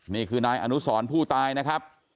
นี่คือนายอนุสรผู้ตายนะครับ